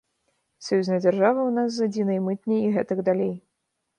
Саюзная дзяржава ў нас з адзінай мытняй і гэтак далей.